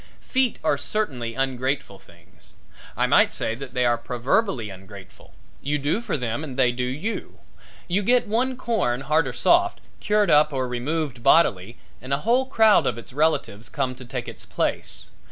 Feet are certainly ungrateful things. I might say that they are proverbially ungrateful. You do for them and they do you. You get one corn, hard or soft, cured up or removed bodily and a whole crowd of its relatives come to take its place.